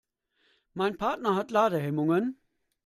Mein Partner hat Ladehemmungen.